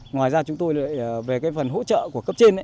ngoài ra chúng tôi về cái phần hỗ trợ của cấp trên